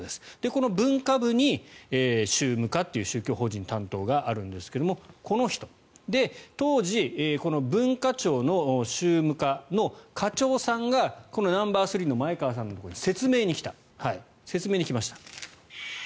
この文化部に、宗務課という宗教法人の担当があるんですがこの人、当時この文化庁の宗務課の課長さんがこのナンバー３の前川さんのところに説明に来ました。